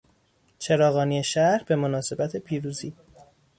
چراغانی شهر به مناسبت پیروزی